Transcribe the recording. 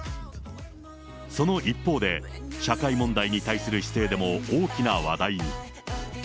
その一方で、社会問題に対する姿勢でも大きな話題に。